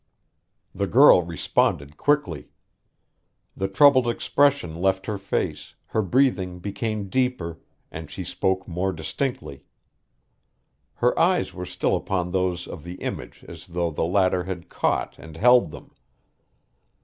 The girl responded quickly. The troubled expression left her face, her breathing became deeper, and she spoke more distinctly. Her eyes were still upon those of the image as though the latter had caught and held them.